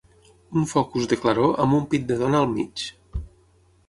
Un focus de claror amb un pit de dona al mig.